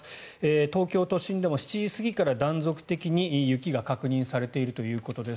東京都心でも７時過ぎから断続的に雪が確認されているということです。